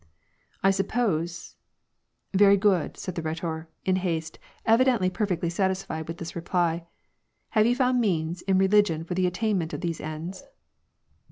" I suppose "—\" Very good," said the Rhetor, in haste, evidently perfectly ^ satisfied with this reply. " Have you found means in religion for the attainment of these ends